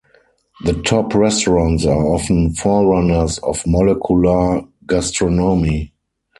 The top restaurants are often forerunners of molecular gastronomy.